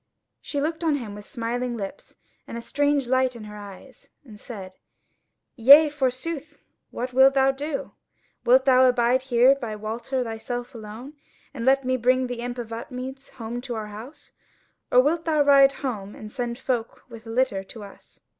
She looked on him with smiling lips and a strange light in her eyes, and said: "Yea, forsooth, what wilt thou do? Wilt thou abide here by Walter thyself alone, and let me bring the imp of Upmeads home to our house? Or wilt thou ride home and send folk with a litter to us?